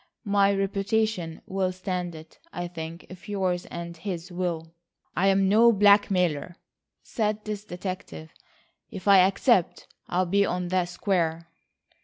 My reputation will stand it, I think, if yours and his will." "I'm no blackmailer," said this detective. "If I accept, I'll be on the square."